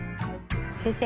先生。